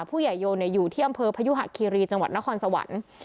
โยนอยู่ที่อำเภอพยุหะคีรีจังหวัดนครสวรรค์